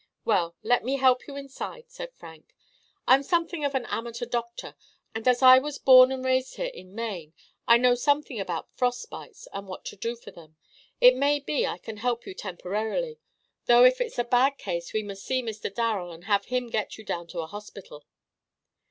"Well, let me help you inside," said Frank. "I'm something of an amateur doctor, and as I was born and raised here in Maine I know something about frostbites and what to do for them. It may be I can help you temporarily; though if it's a bad case we must see Mr. Darrel, and have him get you down to a hospital."